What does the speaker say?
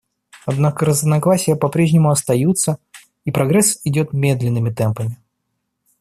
Однако разногласия по-прежнему остаются, и прогресс идет медленными темпами.